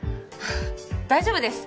大丈夫です